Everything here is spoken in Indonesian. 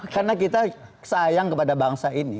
karena kita sayang kepada bangsa ini